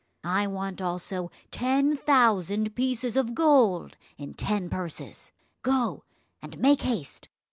I want also ten thousand pieces of gold in ten purses; go, and make haste."